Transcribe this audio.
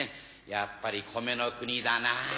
やっぱり米の国だなぁ。